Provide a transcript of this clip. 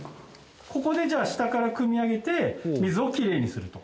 ここでじゃあ下からくみ上げて水をきれいにすると？